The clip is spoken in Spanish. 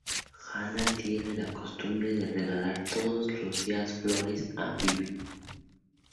Hana tiene la costumbre de regalar todos los días flores a Bibi.